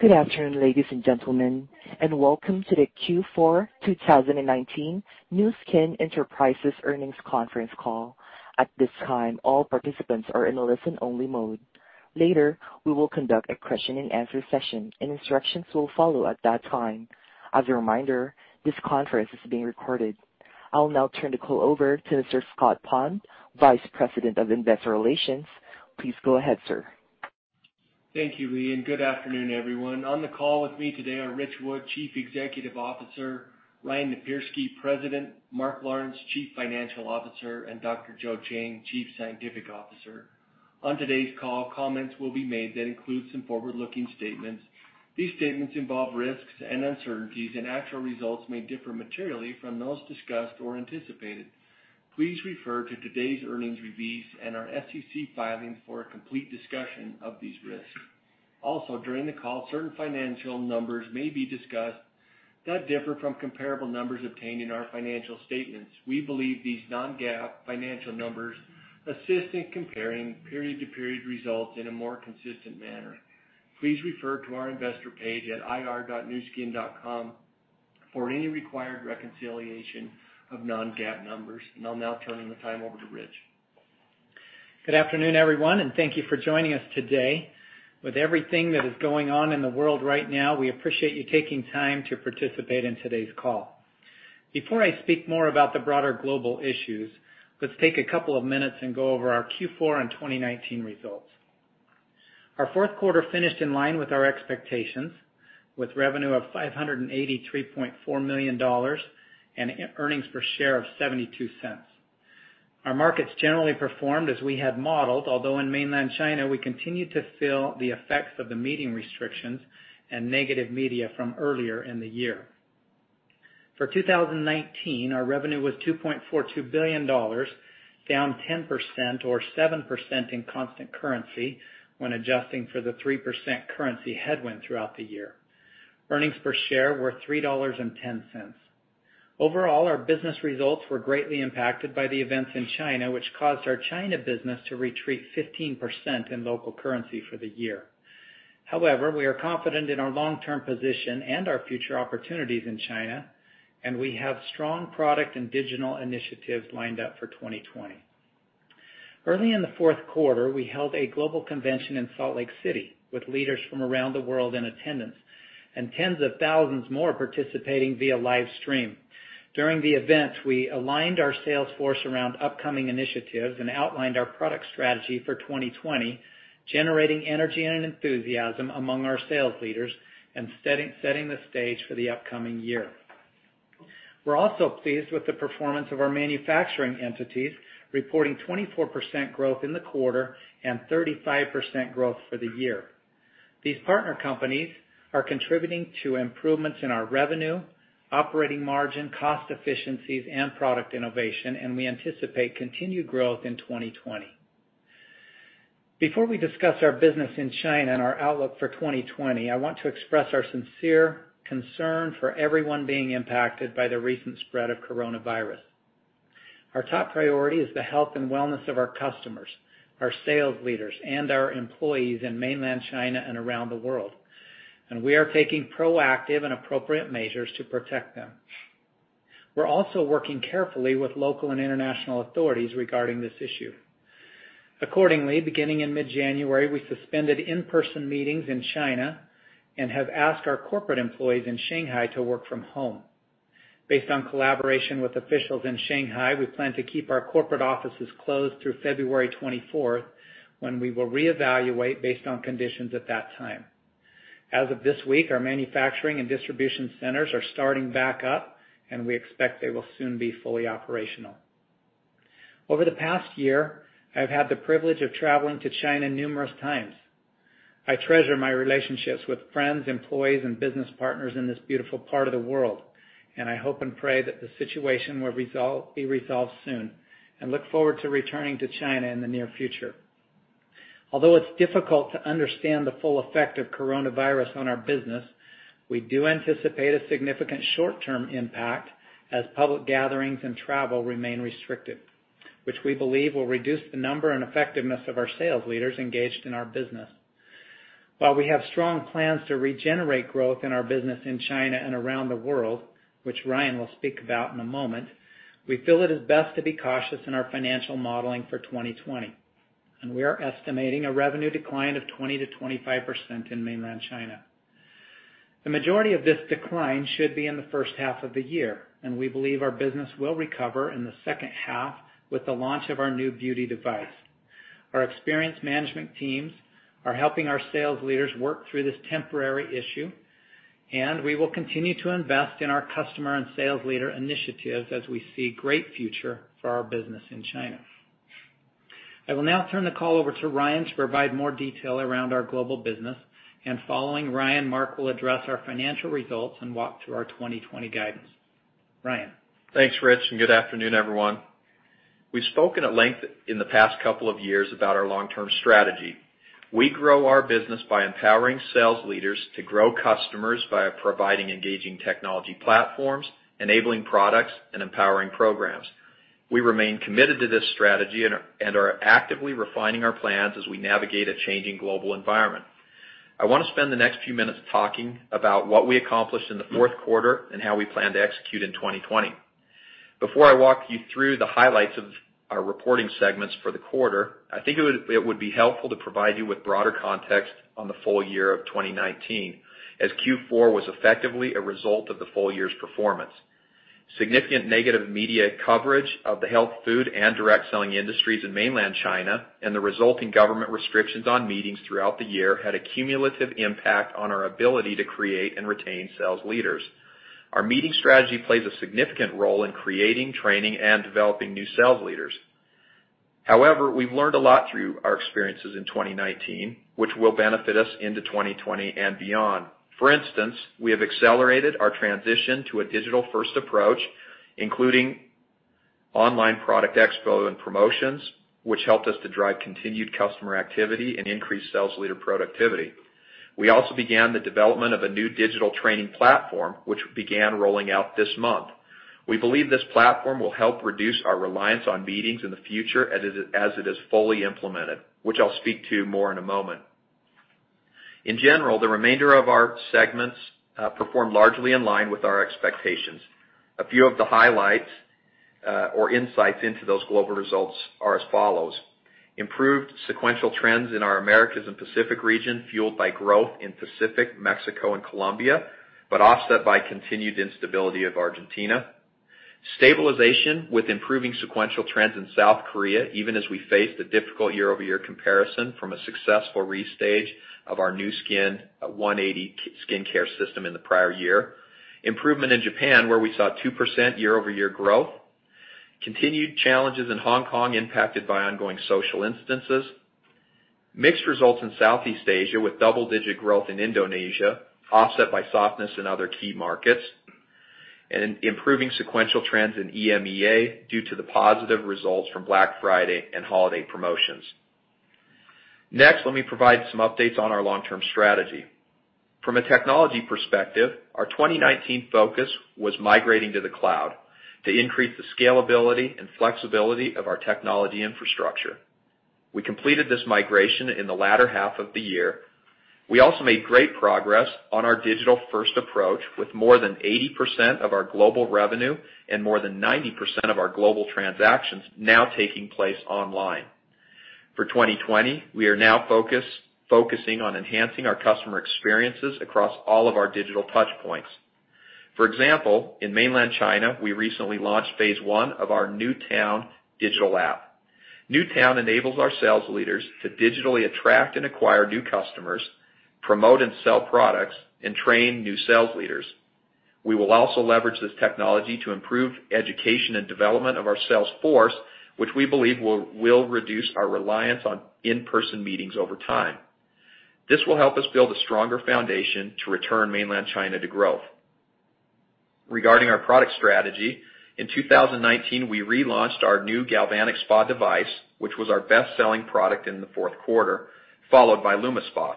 Good afternoon, ladies and gentlemen, and welcome to the Q4 2019 Nu Skin Enterprises earnings conference call. At this time, all participants are in a listen-only mode. Later, we will conduct a question and answer session, and instructions will follow at that time. As a reminder, this conference is being recorded. I'll now turn the call over to Mr. Scott Pond, Vice President of Investor Relations. Please go ahead, sir. Thank you, Lee, and good afternoon, everyone. On the call with me today are Ritch Wood, Chief Executive Officer, Ryan Napierski, President, Mark Lawrence, Chief Financial Officer, and Dr. Joe Chang, Chief Scientific Officer. On today's call, comments will be made that include some forward-looking statements. These statements involve risks and uncertainties, and actual results may differ materially from those discussed or anticipated. Please refer to today's earnings release and our SEC filing for a complete discussion of these risks. Also, during the call, certain financial numbers may be discussed that differ from comparable numbers obtained in our financial statements. We believe these non-GAAP financial numbers assist in comparing period-to-period results in a more consistent manner. Please refer to our investor page at ir.nuskin.com for any required reconciliation of non-GAAP numbers. I'll now turning the time over to Ritch. Good afternoon, everyone, thank you for joining us today. With everything that is going on in the world right now, we appreciate you taking time to participate in today's call. Before I speak more about the broader global issues, let's take a couple of minutes and go over our Q4 and 2019 results. Our fourth quarter finished in line with our expectations with revenue of $583.4 million and earnings per share of $0.72. Our markets generally performed as we had modeled, although in Mainland China, we continued to feel the effects of the meeting restrictions and negative media from earlier in the year. For 2019, our revenue was $2.42 billion, down 10% or 7% in constant currency when adjusting for the 3% currency headwind throughout the year. Earnings per share were $3.10. Overall, our business results were greatly impacted by the events in China, which caused our China business to retreat 15% in local currency for the year. However, we are confident in our long-term position and our future opportunities in China, and we have strong product and digital initiatives lined up for 2020. Early in the fourth quarter, we held a global convention in Salt Lake City with leaders from around the world in attendance and tens of thousands more participating via live stream. During the event, we aligned our sales force around upcoming initiatives and outlined our product strategy for 2020, generating energy and enthusiasm among our sales leaders and setting the stage for the upcoming year. We're also pleased with the performance of our manufacturing entities, reporting 24% growth in the quarter and 35% growth for the year. These partner companies are contributing to improvements in our revenue, operating margin, cost efficiencies, and product innovation, and we anticipate continued growth in 2020. Before we discuss our business in China and our outlook for 2020, I want to express our sincere concern for everyone being impacted by the recent spread of coronavirus. Our top priority is the health and wellness of our customers, our sales leaders, and our employees in mainland China and around the world, and we are taking proactive and appropriate measures to protect them. We're also working carefully with local and international authorities regarding this issue. Accordingly, beginning in mid-January, we suspended in-person meetings in China and have asked our corporate employees in Shanghai to work from home. Based on collaboration with officials in Shanghai, we plan to keep our corporate offices closed through February 24th, when we will reevaluate based on conditions at that time. As of this week, our manufacturing and distribution centers are starting back up, and we expect they will soon be fully operational. Over the past year, I've had the privilege of traveling to China numerous times. I treasure my relationships with friends, employees, and business partners in this beautiful part of the world, and I hope and pray that the situation will be resolved soon and look forward to returning to China in the near future. Although it's difficult to understand the full effect of coronavirus on our business, we do anticipate a significant short-term impact as public gatherings and travel remain restricted, which we believe will reduce the number and effectiveness of our sales leaders engaged in our business. While we have strong plans to regenerate growth in our business in China and around the world, which Ryan will speak about in a moment, we feel it is best to be cautious in our financial modeling for 2020, and we are estimating a revenue decline of 20%-25% in mainland China. The majority of this decline should be in the first half of the year, and we believe our business will recover in the second half with the launch of our new beauty device. Our experienced management teams are helping our sales leaders work through this temporary issue, and we will continue to invest in our customer and sales leader initiatives as we see great future for our business in China. I will now turn the call over to Ryan to provide more detail around our global business, and following Ryan, Mark will address our financial results and walk through our 2020 guidance. Ryan. Thanks, Ritch, good afternoon, everyone. We've spoken at length in the past couple of years about our long-term strategy. We grow our business by empowering sales leaders to grow customers via providing engaging technology platforms, enabling products, and empowering programs. We remain committed to this strategy and are actively refining our plans as we navigate a changing global environment. I want to spend the next few minutes talking about what we accomplished in the fourth quarter and how we plan to execute in 2020. Before I walk you through the highlights of our reporting segments for the quarter, I think it would be helpful to provide you with broader context on the full year of 2019, as Q4 was effectively a result of the full year's performance. Significant negative media coverage of the health food and direct selling industries in mainland China, and the resulting government restrictions on meetings throughout the year, had a cumulative impact on our ability to create and retain sales leaders. Our meeting strategy plays a significant role in creating, training, and developing new sales leaders. We've learned a lot through our experiences in 2019, which will benefit us into 2020 and beyond. For instance, we have accelerated our transition to a digital-first approach, including online product expo and promotions, which helped us to drive continued customer activity and increase sales leader productivity. We also began the development of a new digital training platform, which began rolling out this month. We believe this platform will help reduce our reliance on meetings in the future as it is fully implemented, which I'll speak to more in a moment. In general, the remainder of our segments performed largely in line with our expectations. A few of the highlights or insights into those global results are as follows. Improved sequential trends in our Americas and Pacific region, fueled by growth in Pacific, Mexico, and Colombia, but offset by continued instability of Argentina. Stabilization with improving sequential trends in South Korea, even as we face the difficult year-over-year comparison from a successful restage of our Nu Skin 180° Skincare system in the prior year. Improvement in Japan, where we saw 2% year-over-year growth. Continued challenges in Hong Kong impacted by ongoing social unrest. Mixed results in Southeast Asia with double-digit growth in Indonesia, offset by softness in other key markets. Improving sequential trends in EMEA due to the positive results from Black Friday and holiday promotions. Next, let me provide some updates on our long-term strategy. From a technology perspective, our 2019 focus was migrating to the cloud to increase the scalability and flexibility of our technology infrastructure. We completed this migration in the latter half of the year. We also made great progress on our digital-first approach with more than 80% of our global revenue and more than 90% of our global transactions now taking place online. For 2020, we are now focusing on enhancing our customer experiences across all of our digital touchpoints. For example, in mainland China, we recently launched phase 1 of our Nu Skin Vera digital app. Nu Skin Vera enables our sales leaders to digitally attract and acquire new customers, promote and sell products, and train new sales leaders. We will also leverage this technology to improve education and development of our sales force, which we believe will reduce our reliance on in-person meetings over time. This will help us build a stronger foundation to return mainland China to growth. Regarding our product strategy, in 2019, we relaunched our new ageLOC Galvanic Spa device, which was our best-selling product in the fourth quarter, followed by LumiSpa.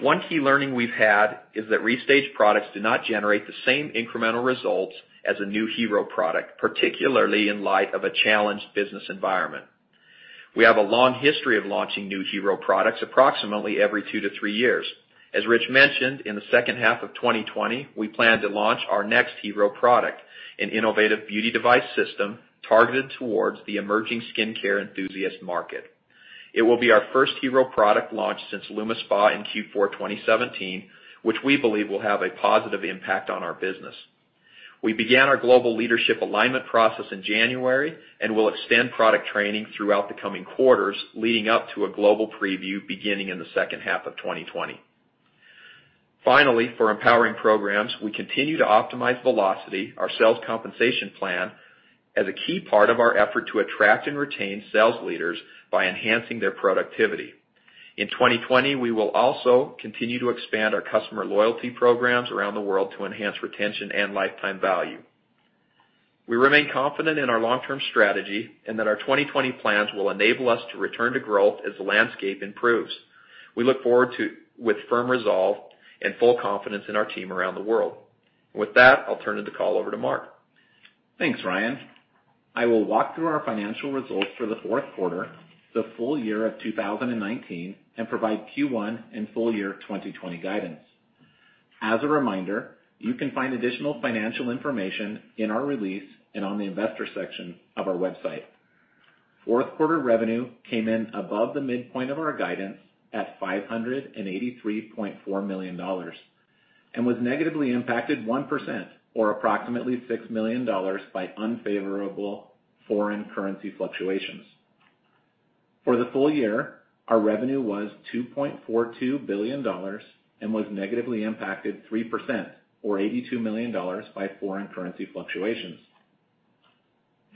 One key learning we've had is that restaged products do not generate the same incremental results as a new hero product, particularly in light of a challenged business environment. We have a long history of launching new hero products approximately every two to three years. As Ritch mentioned, in the second half of 2020, we plan to launch our next hero product, an innovative beauty device system targeted towards the emerging skincare enthusiast market. It will be our first hero product launch since LumiSpa in Q4 2017, which we believe will have a positive impact on our business. We began our global leadership alignment process in January and will extend product training throughout the coming quarters, leading up to a global preview beginning in the second half of 2020. Finally, for empowering programs, we continue to optimize Velocity, our sales compensation plan, as a key part of our effort to attract and retain sales leaders by enhancing their productivity. In 2020, we will also continue to expand our customer loyalty programs around the world to enhance retention and lifetime value. We remain confident in our long-term strategy and that our 2020 plans will enable us to return to growth as the landscape improves. We look forward with firm resolve and full confidence in our team around the world. With that, I'll turn the call over to Mark. Thanks, Ryan. I will walk through our financial results for the fourth quarter, the full year of 2019, and provide Q1 and full year 2020 guidance. As a reminder, you can find additional financial information in our release and on the investor section of our website. Fourth quarter revenue came in above the midpoint of our guidance at $583.4 million and was negatively impacted 1%, or approximately $6 million, by unfavorable foreign currency fluctuations. For the full year, our revenue was $2.42 billion and was negatively impacted 3%, or $82 million, by foreign currency fluctuations.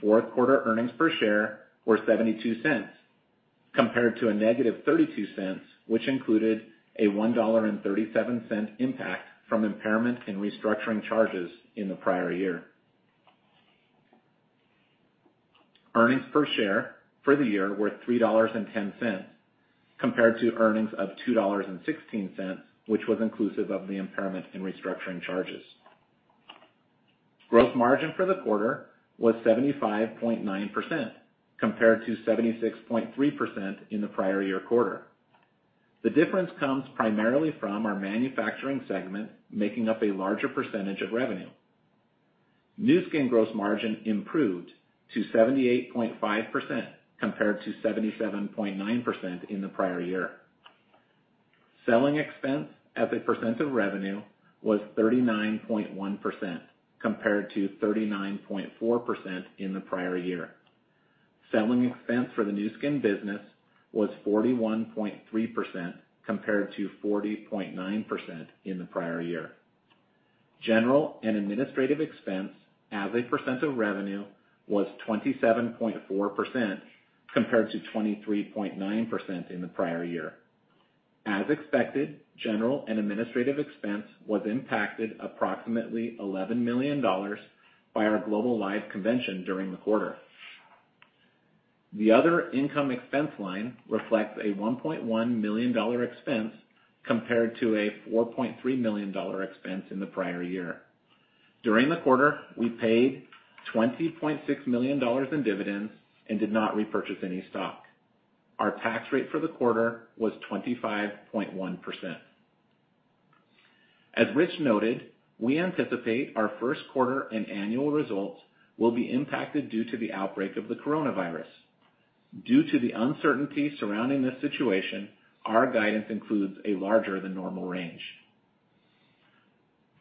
Fourth quarter earnings per share were $0.72 compared to a -$0.32, which included a $1.37 impact from impairment and restructuring charges in the prior year. Earnings per share for the year were $3.10 compared to earnings of $2.16, which was inclusive of the impairment and restructuring charges. Gross margin for the quarter was 75.9%, compared to 76.3% in the prior year quarter. The difference comes primarily from our manufacturing segment, making up a larger percentage of revenue. Nu Skin gross margin improved to 78.5%, compared to 77.9% in the prior year. Selling expense as a percent of revenue was 39.1%, compared to 39.4% in the prior year. Selling expense for the Nu Skin business was 41.3%, compared to 40.9% in the prior year. General and Administrative expense as a percent of revenue was 27.4%, compared to 23.9% in the prior year. As expected, General and Administrative expense was impacted approximately $11 million by our global live convention during the quarter. The other income expense line reflects a $1.1 million expense compared to a $4.3 million expense in the prior year. During the quarter, we paid $20.6 million in dividends and did not repurchase any stock. Our tax rate for the quarter was 25.1%. As Ritch noted, we anticipate our first quarter and annual results will be impacted due to the outbreak of the coronavirus. Due to the uncertainty surrounding this situation, our guidance includes a larger than normal range.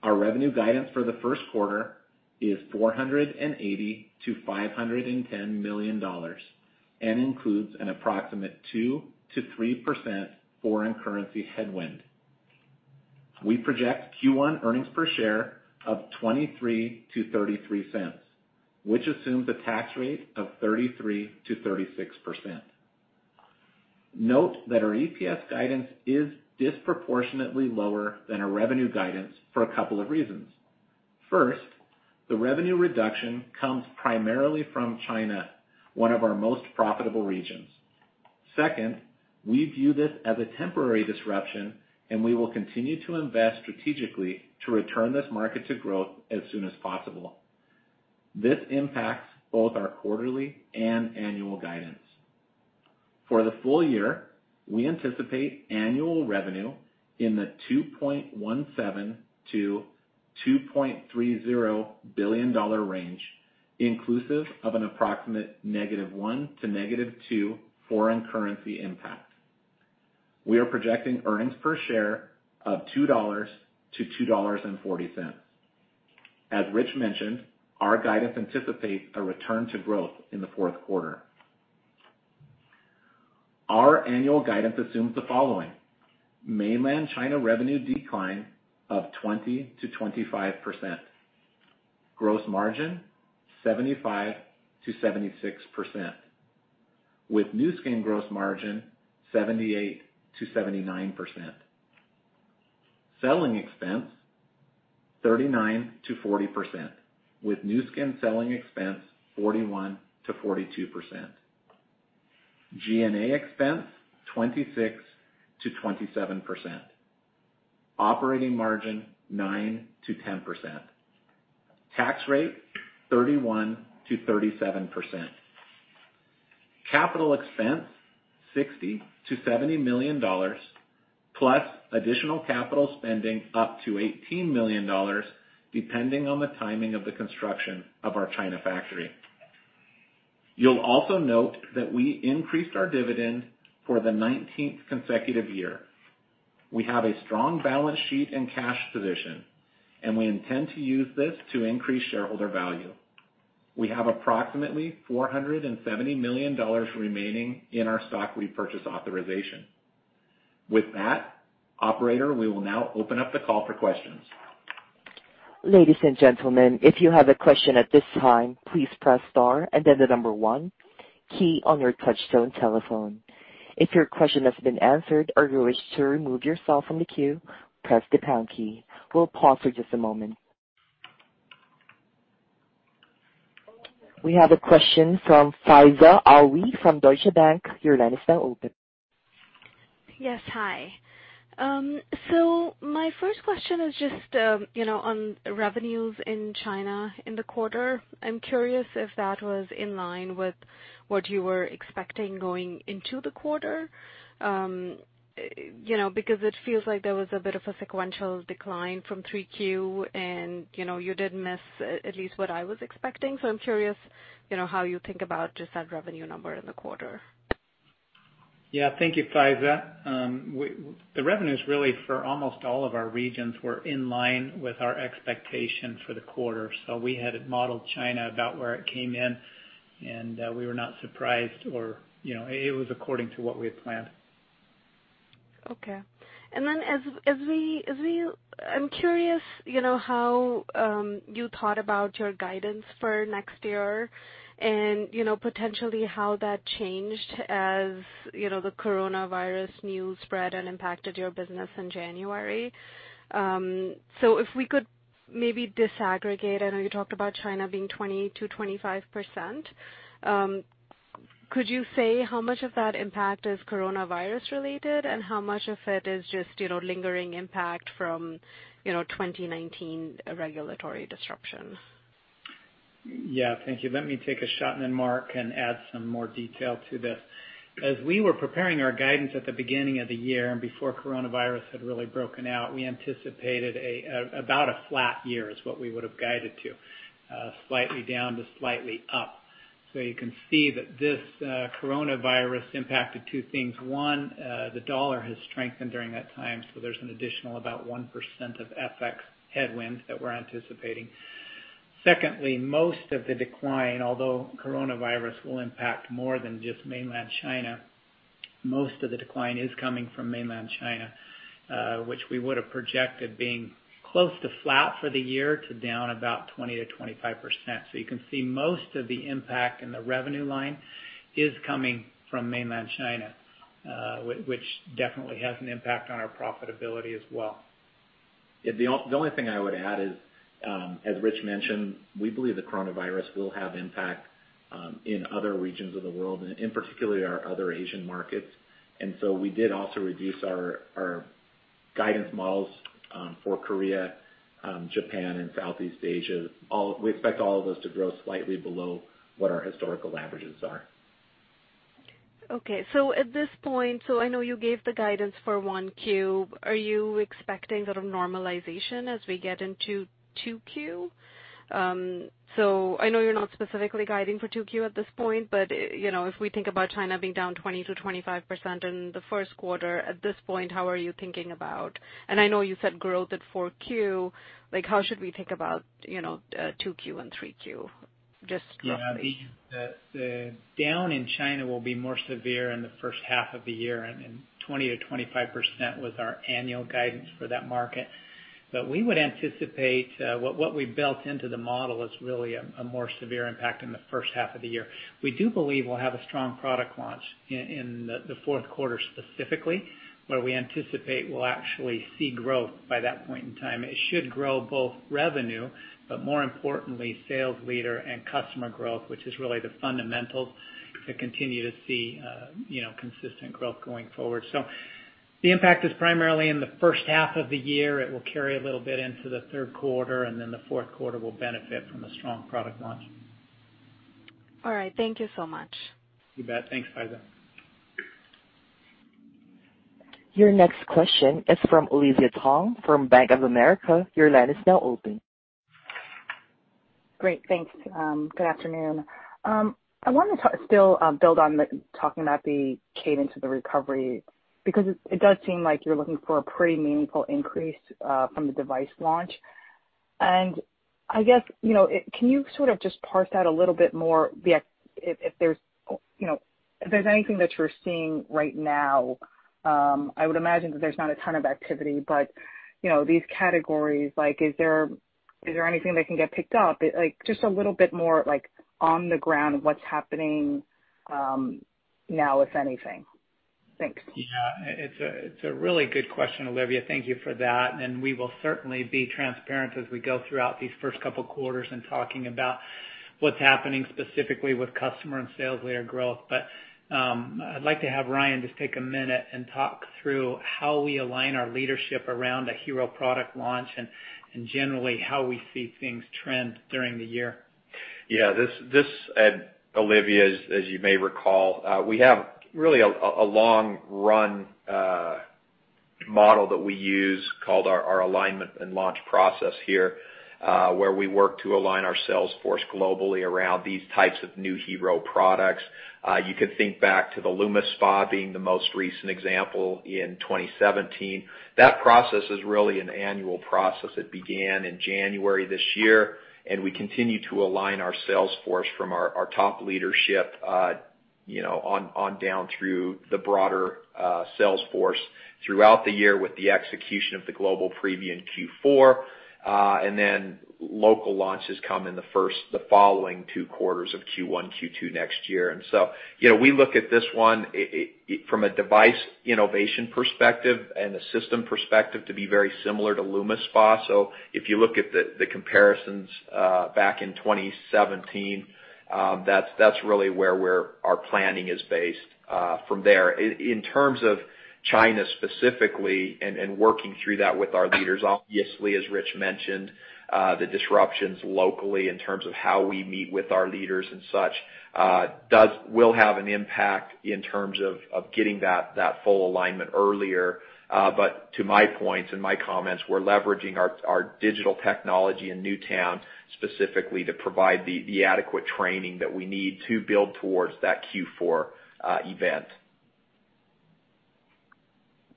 Our revenue guidance for the first quarter is $480 million-$510 million and includes an approximate 2%-3% foreign currency headwind. We project Q1 earnings per share of $0.23-$0.33, which assumes a tax rate of 33%-36%. Note that our EPS guidance is disproportionately lower than our revenue guidance for a couple of reasons. The revenue reduction comes primarily from China, one of our most profitable regions. We view this as a temporary disruption, and we will continue to invest strategically to return this market to growth as soon as possible. This impacts both our quarterly and annual guidance. For the full year, we anticipate annual revenue in the $2.17 billion-$2.30 billion range, inclusive of an approximate -1% to -2% foreign currency impact. We are projecting earnings per share of $2-$2.40. As Ritch mentioned, our guidance anticipates a return to growth in the fourth quarter. Our annual guidance assumes the following. Mainland China revenue decline of 20%-25%. Gross margin, 75%-76%, with Nu Skin gross margin 78%-79%. Selling expense, 39%-40%, with Nu Skin selling expense 41%-42%. G&A expense, 26%-27%. Operating margin, 9%-10%. Tax rate, 31%-37%. Capital expense, $60 million-$70 million, plus additional capital spending up to $18 million, depending on the timing of the construction of our China factory. You'll also note that we increased our dividend for the 19th consecutive year. We have a strong balance sheet and cash position, and we intend to use this to increase shareholder value. We have approximately $470 million remaining in our stock repurchase authorization. With that, operator, we will now open up the call for questions. Ladies and gentlemen, if you have a question at this time, please press star and then the number one key on your touchtone telephone. If your question has been answered or you wish to remove yourself from the queue, press the pound key. We'll pause for just a moment. We have a question from Faiza Alwy from Deutsche Bank. Your line is now open. Yes, hi. My first question is just on revenues in China in the quarter. I'm curious if that was in line with what you were expecting going into the quarter. It feels like there was a bit of a sequential decline from 3Q, and you didn't miss, at least what I was expecting. I'm curious how you think about just that revenue number in the quarter. Yeah. Thank you, Faiza. The revenues really for almost all of our regions were in line with our expectation for the quarter. We had it modeled China about where it came in, and we were not surprised or it was according to what we had planned. Okay. I'm curious how you thought about your guidance for next year and potentially how that changed as the coronavirus news spread and impacted your business in January. If we could disaggregate. I know you talked about China being 20%-25%. Could you say how much of that impact is coronavirus related, and how much of it is just lingering impact from 2019 regulatory disruptions? Yeah, thank you. Let me take a shot, then Mark can add some more detail to this. As we were preparing our guidance at the beginning of the year and before coronavirus had really broken out, we anticipated about a flat year is what we would've guided to. Slightly down to slightly up. You can see that this coronavirus impacted two things. One, the dollar has strengthened during that time, there's an additional about 1% of FX headwinds that we're anticipating. Secondly, most of the decline, although coronavirus will impact more than just mainland China, most of the decline is coming from mainland China, which we would've projected being close to flat for the year to down about 20%-25%. You can see most of the impact in the revenue line is coming from mainland China, which definitely has an impact on our profitability as well. The only thing I would add is, as Ritch mentioned, we believe the coronavirus will have impact in other regions of the world, in particular our other Asian markets. We did also reduce our guidance models for Korea, Japan and Southeast Asia. We expect all of those to grow slightly below what our historical averages are. Okay. At this point, I know you gave the guidance for 1Q. Are you expecting sort of normalization as we get into 2Q? I know you're not specifically guiding for 2Q at this point, but if we think about China being down 20%-25% in the first quarter, at this point, how are you thinking about? I know you said growth at 4Q, how should we think about 2Q and 3Q, just roughly? The down in China will be more severe in the first half of the year, and then 20%-25% was our annual guidance for that market. We would anticipate, what we've built into the model is really a more severe impact in the first half of the year. We do believe we'll have a strong product launch in the fourth quarter specifically, where we anticipate we'll actually see growth by that point in time. It should grow both revenue, but more importantly, sales leader and customer growth, which is really the fundamentals to continue to see consistent growth going forward. The impact is primarily in the first half of the year. It will carry a little bit into the third quarter, and then the fourth quarter will benefit from the strong product launch. All right. Thank you so much. You bet. Thanks, Faiza. Your next question is from Olivia Tong from Bank of America. Your line is now open. Great, thanks. Good afternoon. I wanted to still build on talking about the cadence of the recovery, because it does seem like you're looking for a pretty meaningful increase from the device launch. I guess, can you sort of just parse that a little bit more if there's anything that you're seeing right now? I would imagine that there's not a ton of activity, but these categories, is there anything that can get picked up? Just a little bit more on the ground what's happening now, if anything. Thanks. Yeah. It's a really good question, Olivia, thank you for that. We will certainly be transparent as we go throughout these first couple quarters in talking about what's happening specifically with customer and sales layer growth. I'd like to have Ryan just take a minute and talk through how we align our leadership around a hero product launch and generally how we see things trend during the year. Yeah. Olivia, as you may recall, we have really a long run model that we use called our Alignment and Launch Process here, where we work to align our sales force globally around these types of new hero products. You could think back to the LumiSpa being the most recent example in 2017. That process is really an annual process that began in January this year, we continue to align our sales force from our top leadership on down through the broader sales force throughout the year with the execution of the global preview in Q4. Local launches come in the first, the following two quarters of Q1, Q2 next year. We look at this one from a device innovation perspective and a system perspective to be very similar to LumiSpa. If you look at the comparisons back in 2017, that's really where our planning is based from there. In terms of China specifically and working through that with our leaders, obviously, as Ritch mentioned, the disruptions locally in terms of how we meet with our leaders and such will have an impact in terms of getting that full alignment earlier. To my points and my comments, we're leveraging our digital technology in Nu Town specifically to provide the adequate training that we need to build towards that Q4 event.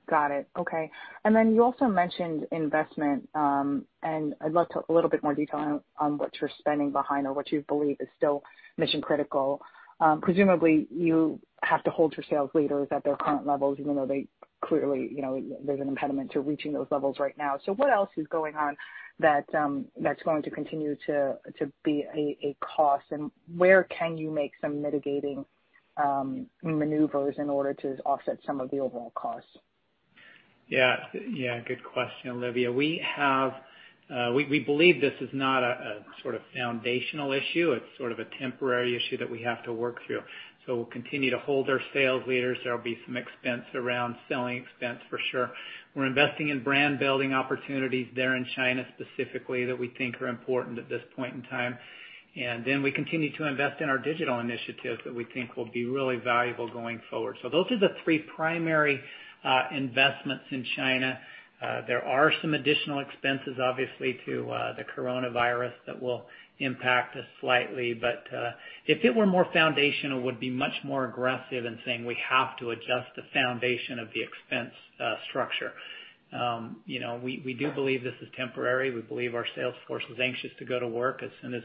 Got it. Okay. You also mentioned investment. I'd love a little bit more detail on what you're spending behind or what you believe is still mission-critical. Presumably, you have to hold your sales leaders at their current levels, even though there's an impediment to reaching those levels right now. What else is going on that's going to continue to be a cost, and where can you make some mitigating maneuvers in order to offset some of the overall costs. Yeah. Good question, Olivia. We believe this is not a sort of foundational issue. It's sort of a temporary issue that we have to work through. We'll continue to hold our sales leaders. There'll be some expense around selling expense, for sure. We're investing in brand-building opportunities there in China specifically that we think are important at this point in time. We continue to invest in our digital initiatives that we think will be really valuable going forward. Those are the three primary investments in China. There are some additional expenses, obviously, to the coronavirus that will impact us slightly. If it were more foundational, we'd be much more aggressive in saying we have to adjust the foundation of the expense structure. We do believe this is temporary. We believe our sales force is anxious to go to work as soon as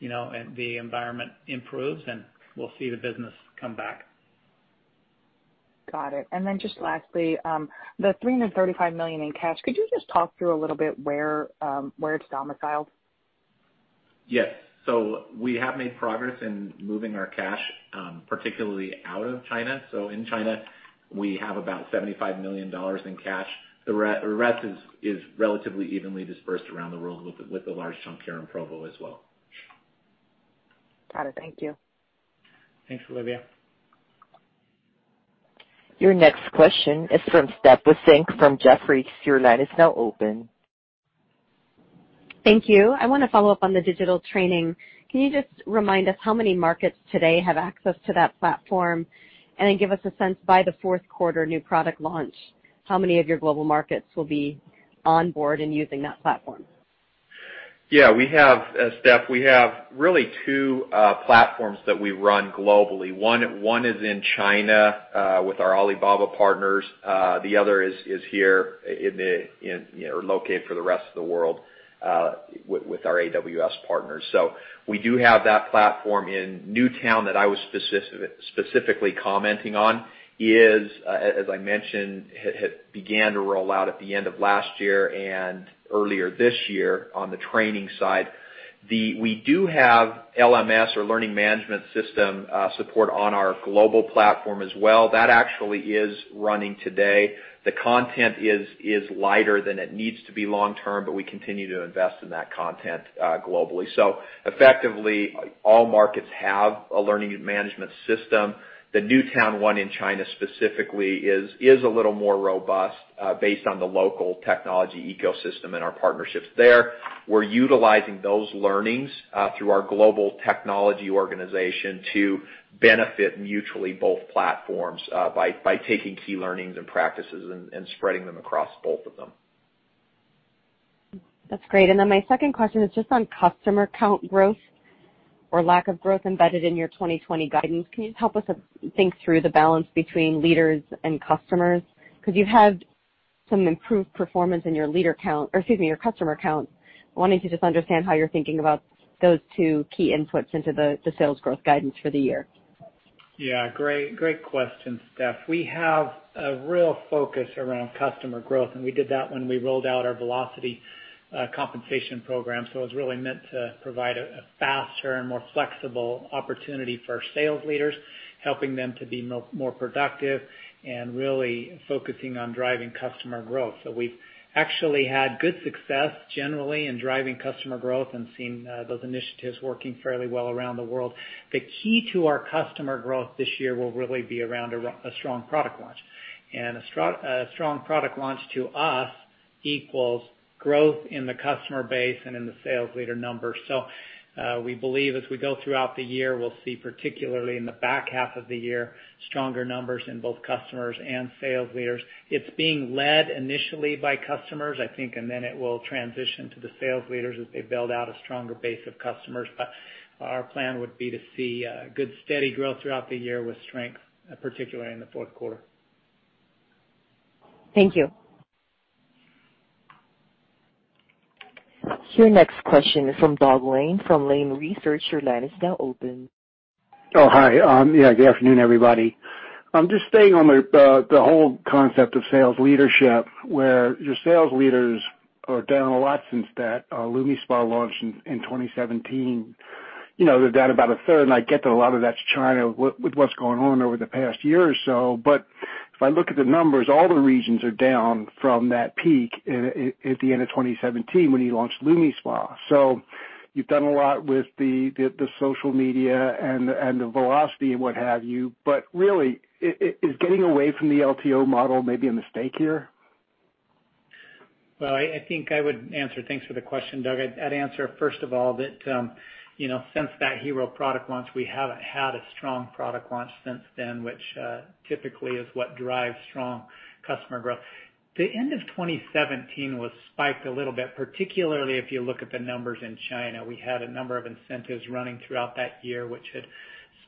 the environment improves, and we'll see the business come back. Got it. Just lastly, the $335 million in cash, could you just talk through a little bit where it's domiciled? Yes. We have made progress in moving our cash, particularly out of China. In China, we have about $75 million in cash. The rest is relatively evenly dispersed around the world, with a large chunk here in Provo as well. Got it. Thank you. Thanks, Olivia. Your next question is from Stephanie Wissink from Jefferies. Your line is now open. Thank you. I want to follow up on the digital training. Can you just remind us how many markets today have access to that platform? Give us a sense by the fourth quarter new product launch, how many of your global markets will be on board and using that platform? Yeah. Steph, we have really two platforms that we run globally. One is in China, with our Alibaba partners. The other is here, located for the rest of the world with our AWS partners. We do have that platform in Nu Town that I was specifically commenting on is, as I mentioned, had began to roll out at the end of last year and earlier this year on the training side. We do have LMS or learning management system, support on our global platform as well. That actually is running today. The content is lighter than it needs to be long term, but we continue to invest in that content globally. Effectively, all markets have a learning management system. The Nu Town one in China specifically is a little more robust, based on the local technology ecosystem and our partnerships there. We're utilizing those learnings through our global technology organization to benefit mutually both platforms by taking key learnings and practices and spreading them across both of them. That's great. My second question is just on customer count growth or lack of growth embedded in your 2020 guidance. Can you help us think through the balance between leaders and customers? You've had some improved performance in your customer count. I'm wanting to just understand how you're thinking about those two key inputs into the sales growth guidance for the year. Yeah. Great question, Steph. We have a real focus around customer growth, and we did that when we rolled out our Velocity compensation program. It was really meant to provide a faster and more flexible opportunity for our sales leaders, helping them to be more productive and really focusing on driving customer growth. We've actually had good success generally in driving customer growth and seen those initiatives working fairly well around the world. The key to our customer growth this year will really be around a strong product launch. A strong product launch to us equals growth in the customer base and in the sales leader numbers. We believe as we go throughout the year, we'll see, particularly in the back half of the year, stronger numbers in both customers and sales leaders. It's being led initially by customers, I think. It will transition to the sales leaders as they build out a stronger base of customers. Our plan would be to see good, steady growth throughout the year with strength, particularly in the fourth quarter. Thank you. Your next question is from Douglas Lane from Lane Research. Your line is now open. Oh, hi. Yeah. Good afternoon, everybody. Just staying on the whole concept of sales leadership, where your sales leaders are down a lot since that LumiSpa launch in 2017. They're down about a third, and I get that a lot of that's China with what's going on over the past year or so. If I look at the numbers, all the regions are down from that peak at the end of 2017 when you launched LumiSpa. You've done a lot with the social media and the Velocity and what have you. Really, is getting away from the LTO model maybe a mistake here? Well, Thanks for the question, Doug. I'd answer, first of all, that since that HERO product launch, we haven't had a strong product launch since then, which typically is what drives strong customer growth. The end of 2017 was spiked a little bit, particularly if you look at the numbers in China. We had a number of incentives running throughout that year, which had spiked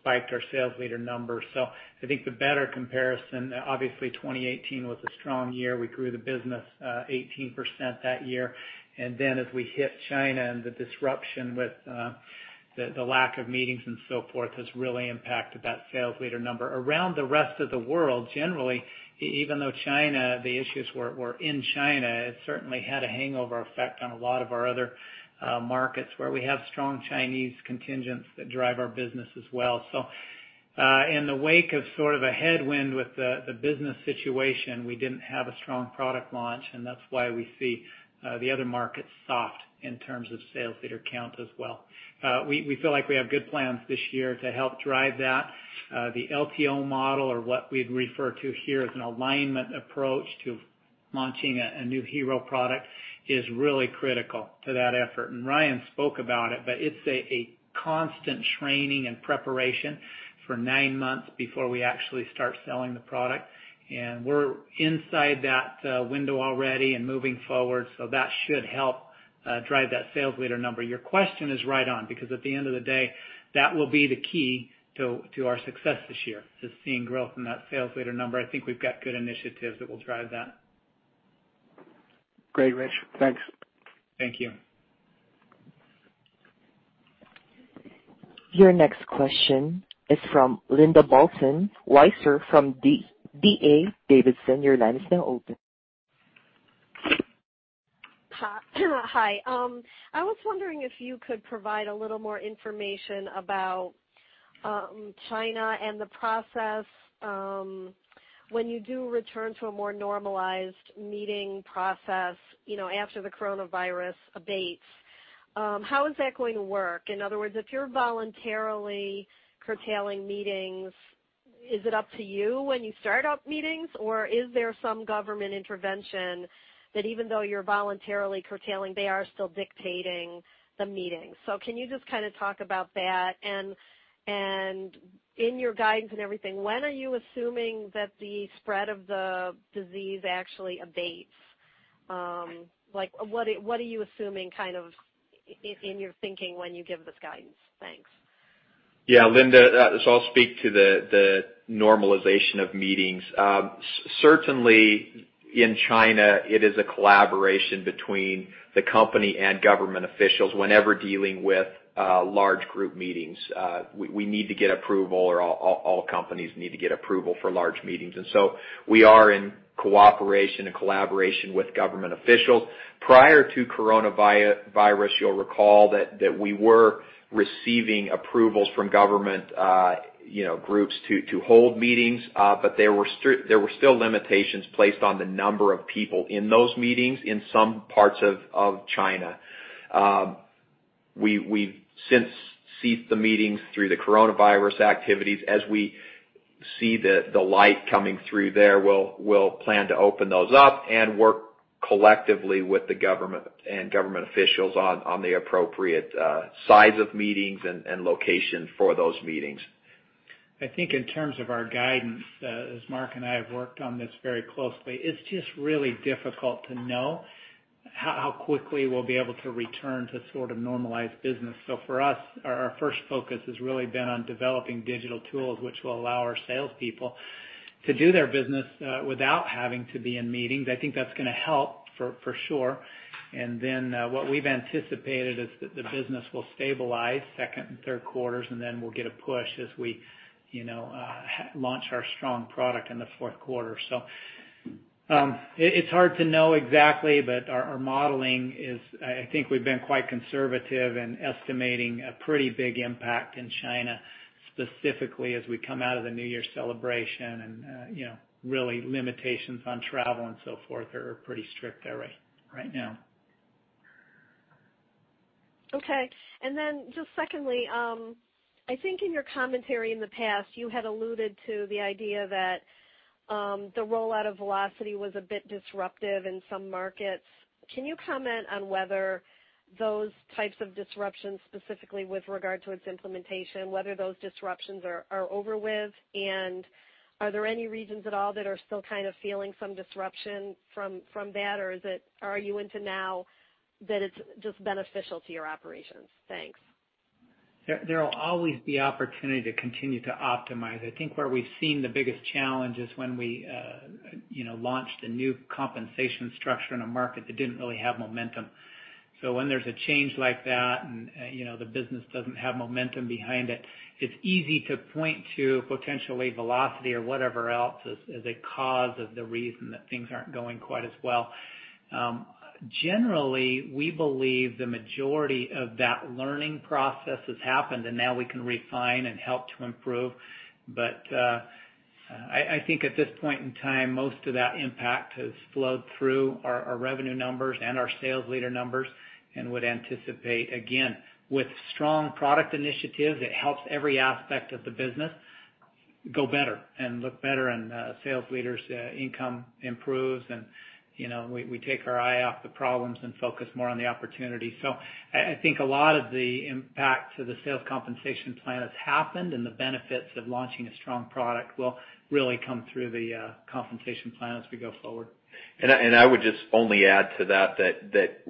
our sales leader numbers. I think the better comparison, obviously 2018 was a strong year. We grew the business 18% that year. As we hit China and the disruption with the lack of meetings and so forth has really impacted that sales leader number. Around the rest of the world, generally, even though China, the issues were in China, it certainly had a hangover effect on a lot of our other markets where we have strong Chinese contingents that drive our business as well. In the wake of sort of a headwind with the business situation, we didn't have a strong product launch, and that's why we see the other markets soft in terms of sales leader count as well. We feel like we have good plans this year to help drive that. The LTO model or what we'd refer to here as an alignment approach to launching a new hero product is really critical to that effort. Ryan spoke about it, but it's a constant training and preparation for nine months before we actually start selling the product. We're inside that window already and moving forward, so that should help drive that sales leader number. Your question is right on, because at the end of the day, that will be the key to our success this year, just seeing growth in that sales leader number. I think we've got good initiatives that will drive that. Great, Ritch. Thanks. Thank you. Your next question is from Linda Bolton Weiser from D.A. Davidson. Your line is now open. Hi. I was wondering if you could provide a little more information about China and the process when you do return to a more normalized meeting process after the coronavirus abates. How is that going to work? In other words, if you're voluntarily curtailing meetings, is it up to you when you start up meetings, or is there some government intervention that even though you're voluntarily curtailing, they are still dictating the meetings? Can you just kind of talk about that, and in your guidance and everything, when are you assuming that the spread of the disease actually abates? What are you assuming kind of in your thinking when you give this guidance? Thanks. Linda. I'll speak to the normalization of meetings. Certainly, in China, it is a collaboration between the company and government officials whenever dealing with large group meetings. We need to get approval, or all companies need to get approval for large meetings. We are in cooperation and collaboration with government officials. Prior to coronavirus, you'll recall that we were receiving approvals from government groups to hold meetings, but there were still limitations placed on the number of people in those meetings in some parts of China. We've since ceased the meetings through the coronavirus activities. As we see the light coming through there, we'll plan to open those up and work collectively with the government and government officials on the appropriate size of meetings and location for those meetings. I think in terms of our guidance, as Mark and I have worked on this very closely, it's just really difficult to know how quickly we'll be able to return to sort of normalized business. For us, our first focus has really been on developing digital tools which will allow our salespeople to do their business without having to be in meetings. I think that's going to help for sure. Then what we've anticipated is that the business will stabilize second and third quarters, and then we'll get a push as we launch our strong product in the fourth quarter. It's hard to know exactly, but our modeling is, I think we've been quite conservative in estimating a pretty big impact in China, specifically as we come out of the Chinese New Year celebration and really limitations on travel and so forth are pretty strict there right now. Okay. Then just secondly, I think in your commentary in the past, you had alluded to the idea that the rollout of Velocity was a bit disruptive in some markets. Can you comment on whether those types of disruptions, specifically with regard to its implementation, whether those disruptions are over with? Are there any regions at all that are still kind of feeling some disruption from that, or are you into now that it's just beneficial to your operations? Thanks. There'll always be opportunity to continue to optimize. I think where we've seen the biggest challenge is when we launched a new compensation structure in a market that didn't really have momentum. When there's a change like that and the business doesn't have momentum behind it's easy to point to potentially Velocity or whatever else as a cause of the reason that things aren't going quite as well. Generally, we believe the majority of that learning process has happened, and now we can refine and help to improve. I think at this point in time, most of that impact has flowed through our revenue numbers and our sales leader numbers and would anticipate, again, with strong product initiatives, it helps every aspect of the business go better and look better, and sales leaders' income improves, and we take our eye off the problems and focus more on the opportunity. I think a lot of the impact to the sales compensation plan has happened, and the benefits of launching a strong product will really come through the compensation plan as we go forward. I would just only add to that, to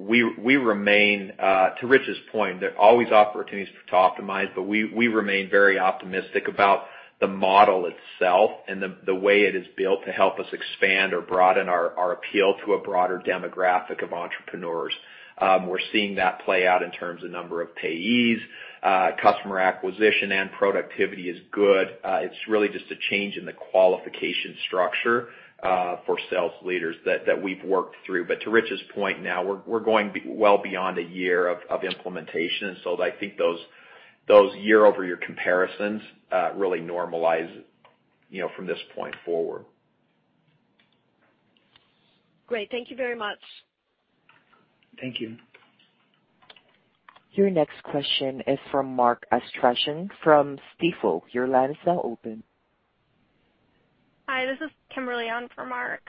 Ritch's point, there are always opportunities to optimize. We remain very optimistic about the model itself and the way it is built to help us expand or broaden our appeal to a broader demographic of entrepreneurs. We're seeing that play out in terms of number of payees, customer acquisition, and productivity is good. It's really just a change in the qualification structure for sales leaders that we've worked through. To Ritch's point, now we're going well beyond a year of implementation. I think those year-over-year comparisons really normalize from this point forward. Great. Thank you very much. Thank you. Your next question is from Mark Astrachan from Stifel. Your line is now open. Hi, this is Kimberly on for Mark.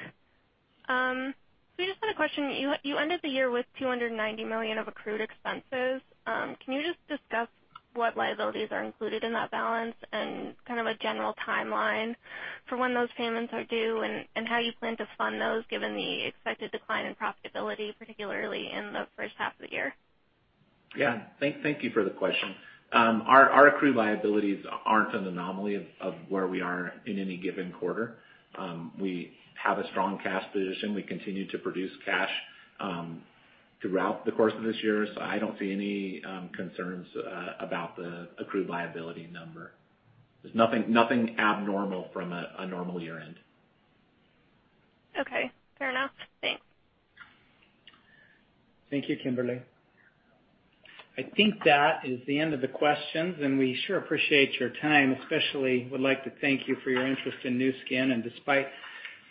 We just had a question. You ended the year with $290 million of accrued expenses. Can you just discuss what liabilities are included in that balance and kind of a general timeline for when those payments are due and how you plan to fund those given the expected decline in profitability, particularly in the first half of the year? Yeah. Thank you for the question. Our accrued liabilities aren't an anomaly of where we are in any given quarter. We have a strong cash position. We continue to produce cash throughout the course of this year. I don't see any concerns about the accrued liability number. There's nothing abnormal from a normal year-end. Okay, fair enough. Thanks. Thank you, Kimberly. I think that is the end of the questions, and we sure appreciate your time. Especially would like to thank you for your interest in Nu Skin, and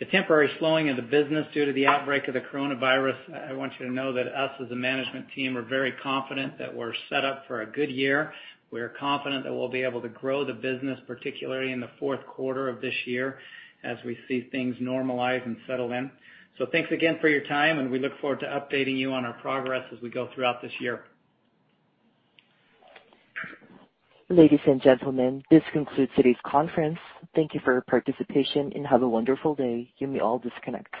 despite the temporary slowing of the business due to the outbreak of the coronavirus, I want you to know that us, as a management team, are very confident that we're set up for a good year. We're confident that we'll be able to grow the business, particularly in the fourth quarter of this year as we see things normalize and settle in. Thanks again for your time, and we look forward to updating you on our progress as we go throughout this year. Ladies and gentlemen, this concludes today's conference. Thank you for your participation, and have a wonderful day. You may all disconnect.